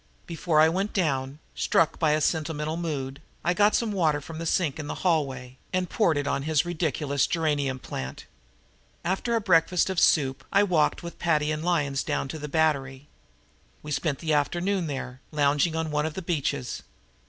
Before I went down, struck by a sentimental mood, I got some water from the sink in the hallway and poured it on his ridiculous geranium plant. After a breakfast of free soup, I walked with Paddy and Lyons down to the Battery. We spent the afternoon there, lounging on one of the benches.